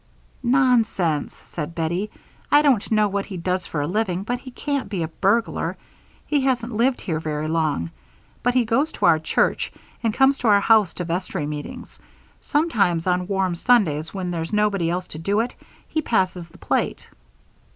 "Nonsense!" said Bettie. "I don't know what he does for a living, but he can't be a burglar. He hasn't lived here very long, but he goes to our church and comes to our house to vestry meetings. Sometimes on warm Sundays when there's nobody else to do it, he passes the plate."